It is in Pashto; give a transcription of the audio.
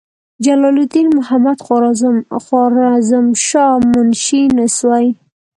جلال الدین محمدخوارزمشاه منشي نسوي.